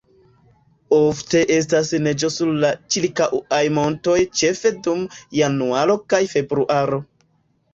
Ofte estas neĝo sur la ĉirkaŭaj montoj ĉefe dum januaro kaj februaro.